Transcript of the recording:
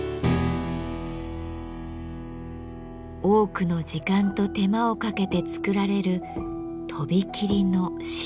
多くの時間と手間をかけて作られるとびきりの白。